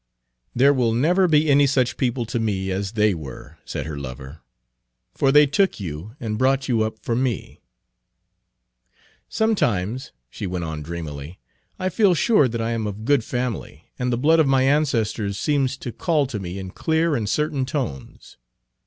"There will never be any such people to me as they were," said her lover, "for they took you and brought you up for me." Page 31 "Sometimes," she went on dreamily, "I feel sure that I am of good family, and the blood of my ancestors seems to call to me in clear and certain tones.